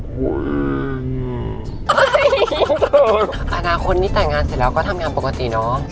โอ้โหอนาคตนี้แต่งงานเสร็จแล้วก็ทำงานปกติเนอะ